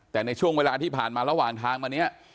แต่ในช่วงเวลาที่ผ่านมาระหว่างทางมาเนี่ย